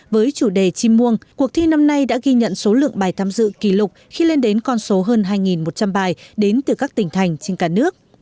với chủ đề chim muông cuộc thi năm nay đã ghi nhận số lượng bài tham dự kỷ lục khi lên đến con số hơn hai một trăm linh bài đến từ các tỉnh thành trên cả nước